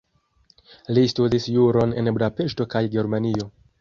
Li studis juron en Budapeŝto kaj Germanio.